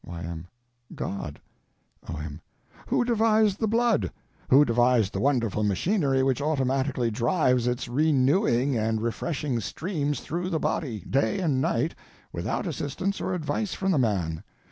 Y.M. God. O.M. Who devised the blood? Who devised the wonderful machinery which automatically drives its renewing and refreshing streams through the body, day and night, without assistance or advice from the man?